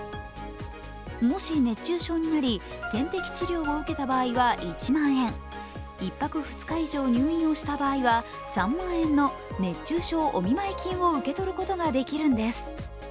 もし熱中症になり、点滴治療を受けた場合は１万円、１泊２日以上、入院をした場合は３万円の熱中症お見舞い金を受け取ることができるんです。